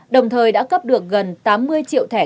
đồng thời đã cấp được gần tám mươi triệu thẻ